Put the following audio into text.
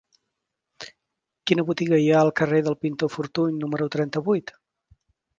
Quina botiga hi ha al carrer del Pintor Fortuny número trenta-vuit?